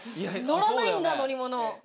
乗らないんだ乗り物。